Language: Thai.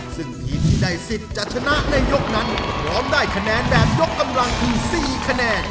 ซึ่งทีมที่ได้สิทธิ์จะชนะในยกนั้นพร้อมได้คะแนนแบบยกกำลังคือ๔คะแนน